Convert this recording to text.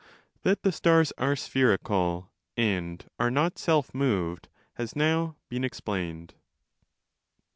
That the stars are spherical and are not self moved, has now been explained.